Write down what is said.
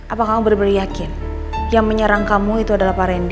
apa kamu benar benar yakin yang menyerang kamu itu adalah pak randy